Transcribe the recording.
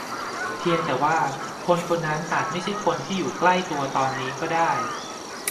เพียงแต่ว่าคนคนนั้นอาจไม่ใช่คนที่อยู่ใกล้ตัวตอนนี้ก็ได้